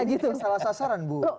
jadi itu salah sasaran bu